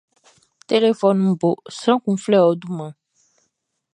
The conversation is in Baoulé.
Telefɔnunʼn bo, sran kun su flɛ ɔ dunmanʼn.